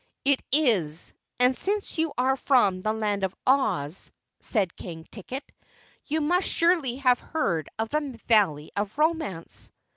"It is, and since you are from the Land of Oz," said King Ticket, "you must surely have heard of the Valley of Romance."